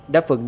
đã phân biệt